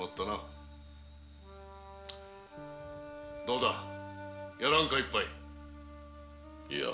どうだやらんかいっぱい？いや。